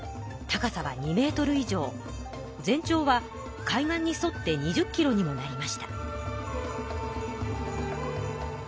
全長は海岸にそって２０ｋｍにもなりました。